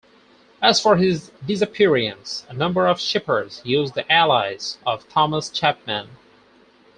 As for his disappearance, a number of shepherds used the alias of Thomas Chapman.